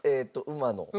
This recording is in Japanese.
馬の。